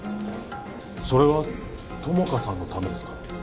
それは友果さんのためですか？